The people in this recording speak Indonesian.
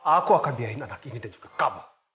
aku akan biayain anak ini dan juga kamu